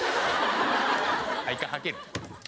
１回はける？